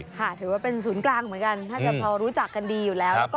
ถือว่าเป็นศูนย์กลางเหมือนกันถ้าจะพอรู้จักกันดีอยู่แล้ว